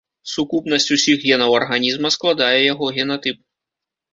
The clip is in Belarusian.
Сукупнасць усіх генаў арганізма складае яго генатып.